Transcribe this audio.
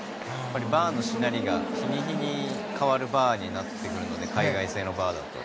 バーのしなりが日に日に変わるバーになってくるので海外製のバーだと。